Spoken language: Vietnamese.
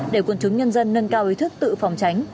để quân chúng nhân dân nâng cao ý thức tự phòng tránh